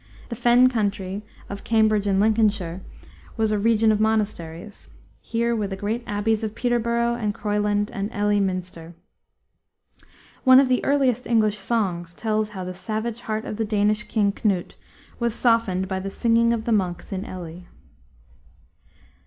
The fen country of Cambridge and Lincolnshire was a region of monasteries. Here were the great abbeys of Peterborough and Croyland and Ely minster. One of the earliest English songs tells how the savage heart of the Danish king Cnut was softened by the singing of the monks in Ely.